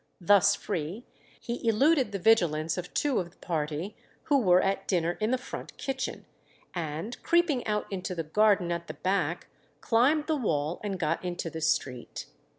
Thus free, he eluded the vigilance of two of the party, who were at dinner in the front kitchen, and creeping out into the garden at the back, climbed the wall, and got into the street.